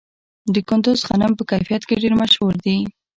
د کندز غنم په کیفیت کې ډیر مشهور دي.